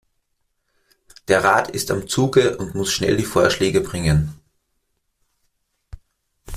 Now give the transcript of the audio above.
Der Rat ist am Zuge und muss schnell die Vorschläge bringen.